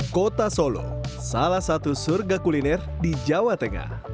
kota solo salah satu surga kuliner di jawa tengah